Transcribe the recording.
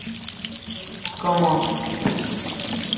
All members of the panel must outrank the accused.